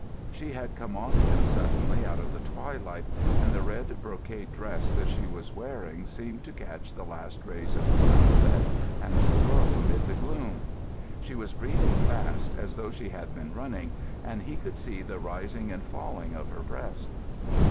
She had come on him suddenly out of the twilight, and the red brocade dress that she was wearing seemed to catch the last rays of the sunset, and to glow amid the gloom. She was breathing fast as though she had been running, and he could see the rising and falling of her breast.